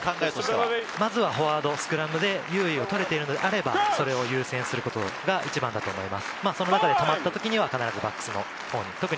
まずはフォワード、スクラムで優位を取れているのであれば、それを優先することが一番だと思います。